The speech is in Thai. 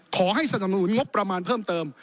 สนับสนุนงบประมาณเพิ่มเติม